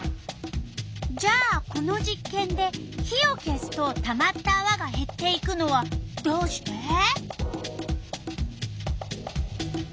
じゃあこの実験で火を消すとたまったあわがへっていくのはどうして？